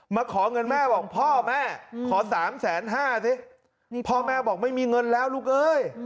มาขอเงินแม่บอกพ่อแม่ขอสามแสนห้าสิพ่อแม่บอกไม่มีเงินแล้วลูกเอ้ย